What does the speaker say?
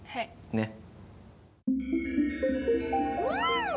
ねっ。